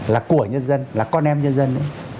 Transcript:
là của nhân dân là con em nhân dân